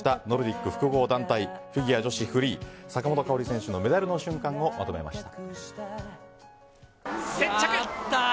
ノルディック複合団体フィギュア女子フリー坂本花織選手のメダルの瞬間をまとめました。